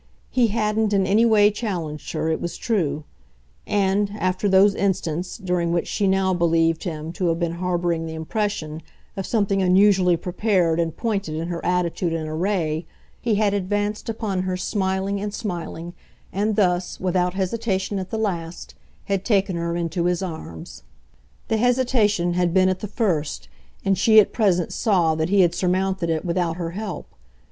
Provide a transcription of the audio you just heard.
He hadn't in any way challenged her, it was true, and, after those instants during which she now believed him to have been harbouring the impression of something unusually prepared and pointed in her attitude and array, he had advanced upon her smiling and smiling, and thus, without hesitation at the last, had taken her into his arms. The hesitation had been at the first, and she at present saw that he had surmounted it without her help.